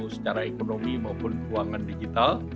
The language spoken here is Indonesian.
secara ekonomi maupun keuangan digital